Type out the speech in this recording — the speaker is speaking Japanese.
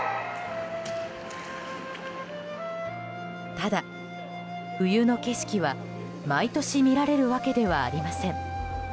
ただ、冬の景色は毎年見られるわけではありません。